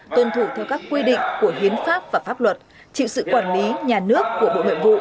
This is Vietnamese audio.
tuân thủ theo các quy định của hiến pháp và pháp luật chịu sự quản lý nhà nước của bộ nội vụ